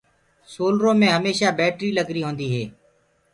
سولرو مي هميشآ بيٽري لگري هوندي اي